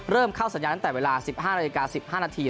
เริ่มเข้าสัญญาณตั้งแต่เวลา๑๕นาฬิกา๑๕นาที